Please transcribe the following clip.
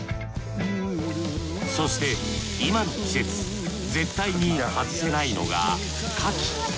そして今の季節絶対に外せないのがカキ。